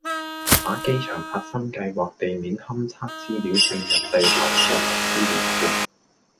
把機場核心計劃地面勘測資料併入地球科學資料庫